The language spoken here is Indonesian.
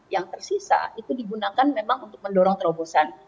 yang tersisa itu digunakan memang untuk mendorong terobosan